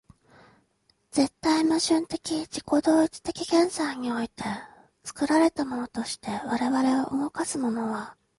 絶対矛盾的自己同一的現在において、作られたものとして我々を動かすものは、